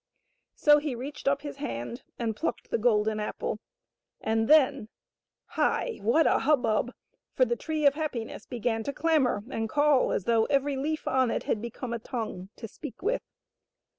So he reached up his hand and plucked the golden apple, and then — hi . what a hubbub, for the Tree of Happiness began to clamor and call as though every leaf on it had become a tongue to speak with.